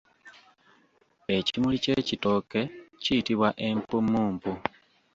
Ekimuli ky’ekitooke kiyitibwa empummumpu.